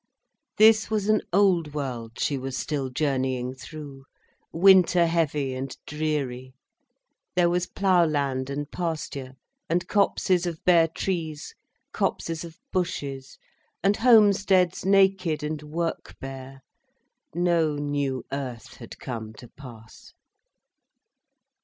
This was an old world she was still journeying through, winter heavy and dreary. There was plough land and pasture, and copses of bare trees, copses of bushes, and homesteads naked and work bare. No new earth had come to pass.